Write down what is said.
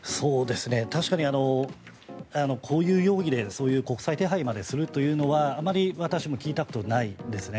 確かに、こういう容疑で国際手配までするというのはあまり私も聞いたことないですね。